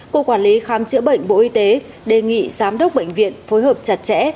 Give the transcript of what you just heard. cục quản lý khám chữa bệnh bộ y tế đề nghị giám đốc bệnh viện phối hợp chặt chẽ